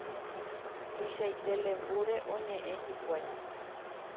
tuichaite lembúre oñe'ẽ hikuái